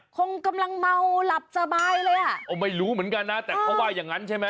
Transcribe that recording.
คงกำลังเมาหลับสบายเลยอ่ะก็ไม่รู้เหมือนกันนะแต่เขาว่าอย่างงั้นใช่ไหม